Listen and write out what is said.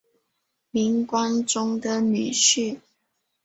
明光宗的女婿。